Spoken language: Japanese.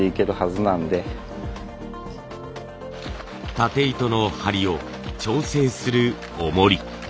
たて糸の張りを調整する重り。